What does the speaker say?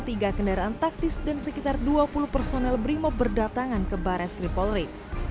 tiga kendaraan taktis dan sekitar dua puluh personel brimob berdatangan ke barai skripolri